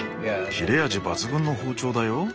切れ味抜群の包丁だよ。